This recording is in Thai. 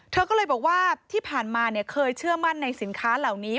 เธอก็เลยบอกว่าที่ผ่านมาเคยเชื่อมั่นในสินค้าเหล่านี้